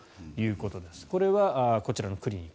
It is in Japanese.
これはこちらのクリニック。